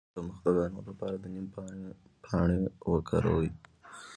د مخ د دانو لپاره د نیم پاڼې وکاروئ